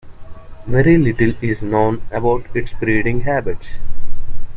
Very little is known about its breeding habits.